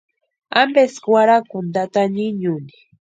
¿Ampeski warhakuni tata niñuni?